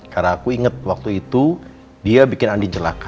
karena aku inget waktu itu dia bikin andi jelaka